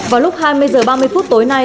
vào lúc hai mươi h ba mươi phút tối nay